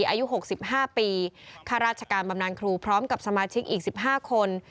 อายุหกสิบห้าปีคาราชการบำนานครูพร้อมกับสมาชิกอีกสิบห้าคน